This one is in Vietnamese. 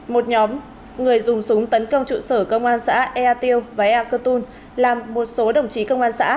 một nhóm người dùng súng tấn công trụ sở công an xã ea tiêu và ya cơ tun làm một số đồng chí công an xã